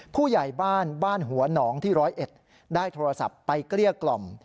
ผู้ใหญ่บ้านบ้านหัวหนองที่๑๐๑ได้โทรศัพท์ไปเกลี้ยกล่อม